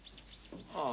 ああ。